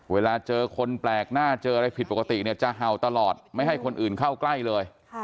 เวลาเจอคนแปลกหน้าเจออะไรผิดปกติเนี่ยจะเห่าตลอดไม่ให้คนอื่นเข้าใกล้เลย